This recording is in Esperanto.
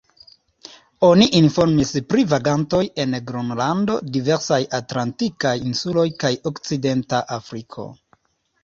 Oni informis pri vagantoj en Gronlando, diversaj atlantikaj insuloj kaj Okcidenta Afriko.